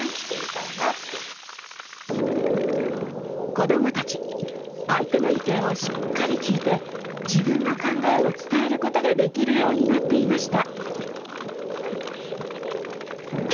子どもたち相手の意見をしっかり聞いて自分の考えを伝えることができるようになっていました。